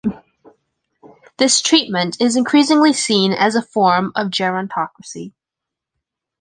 This treatment is increasingly seen as a form of gerontocracy.